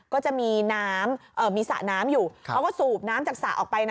ก็จะมีน้ำมีสระน้ำอยู่เขาก็สูบน้ำจากสระออกไปนะ